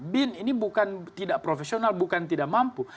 bin ini bukan tidak profesional bukan tidak mampu